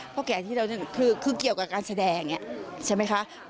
พ่อแก่ที่เราคือเกี่ยวกับการแสดงใช่ไหมคะ